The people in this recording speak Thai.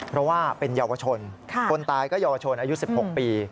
เพราะว่าเป็นเยาวชนคนตายก็เยาวชนอายุ๑๖ปี